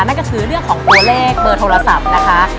นั่นก็คือเรื่องของตัวเลขเบอร์โทรศัพท์นะคะ